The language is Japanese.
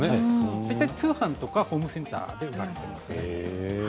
大体、通販とかホームセンターで売られています。